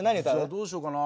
どうしようかな。